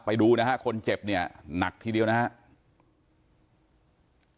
ไปดูนะฮะคนเจ็บเนี่ยหนักทีเดียวนะครับ